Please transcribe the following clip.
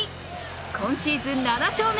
今シーズン７勝目。